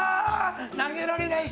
投げられない。